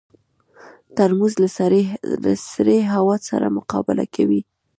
ترموز له سړې هوا سره مقابله کوي.